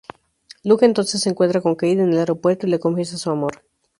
Luc entonces se encuentra con Kate en el aeropuerto y le confiesa su amor.